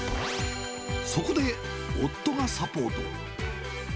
そこで、夫がサポート。